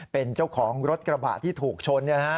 เป็นเจ้าของรถกระบะที่ถูกชน